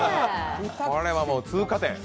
これはもう通過点。